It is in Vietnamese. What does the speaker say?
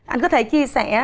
anh có thể chia sẻ